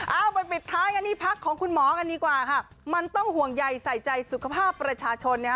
เอาไปปิดท้ายกันที่พักของคุณหมอกันดีกว่าค่ะมันต้องห่วงใยใส่ใจสุขภาพประชาชนนะฮะ